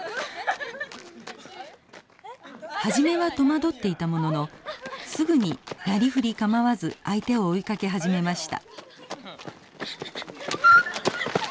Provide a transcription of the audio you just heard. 初めはとまどっていたもののすぐになりふり構わず相手を追いかけ始めました。